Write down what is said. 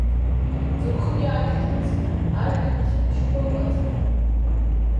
Ҵыԥхтәи ашәҭыц, ашәҭыц цәаԥшьқәа ыҟаӡам.